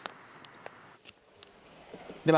では